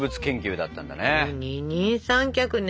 二人三脚ね。